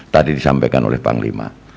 tadi disampaikan oleh panglima